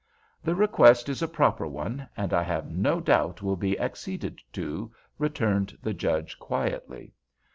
"The request is a proper one, and I have no doubt will be acceded to," returned the Judge, quietly.